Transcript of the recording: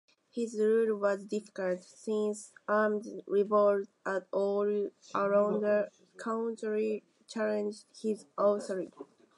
His rule was difficult, since armed revolts all around the country challenged his authority.